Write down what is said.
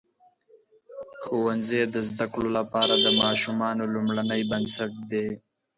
ښوونځی د زده کړو لپاره د ماشومانو لومړنۍ بنسټ دی.